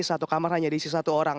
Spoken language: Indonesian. satu kamar hanya di situ satu orang